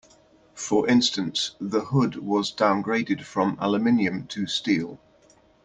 For instance, the hood was downgraded from aluminum to steel.